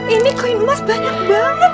ini koin emas banyak banget ya